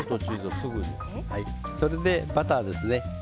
それで、バターですね。